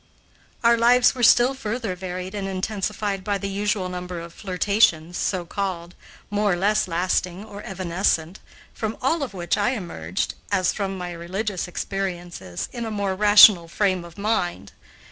Our lives were still further varied and intensified by the usual number of flirtations, so called, more or less lasting or evanescent, from all of which I emerged, as from my religious experiences, in a more rational frame of mind.